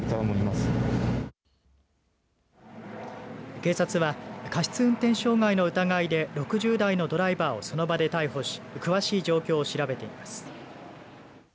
警察は、過失運転傷害の疑いで６０代のドライバーをその場で逮捕し詳しい状況を調べています。